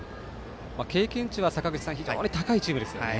経験値は非常に高いチームですよね。